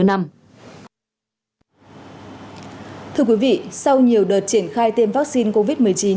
thưa quý vị sau nhiều đợt triển khai tiêm vaccine covid một mươi chín